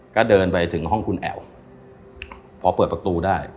ก็เดินไปถึงห้องคุณแอ๋วพอเปิดประตูได้